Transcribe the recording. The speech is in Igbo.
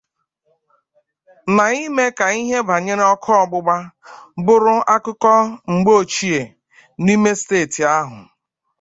na ime ka ihe banyere ọkụ ọgbụgba bụrụ akụkọ mgbeochie n'ime steeti ahụ.